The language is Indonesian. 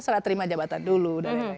serah terima jabatan dulu